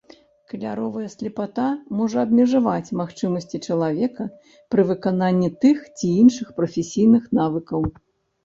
Каляровая слепата можа абмежаваць магчымасці чалавека пры выкананні тых ці іншых прафесійных навыкаў.